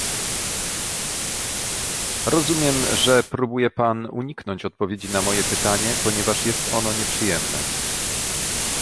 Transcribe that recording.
Rozumiem, że próbuje pan uniknąć odpowiedzi na moje pytanie, ponieważ jest ono nieprzyjemne